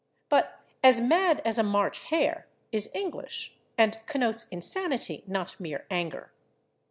But /as mad as a March hare/ is English, and connotes insanity, not mere anger.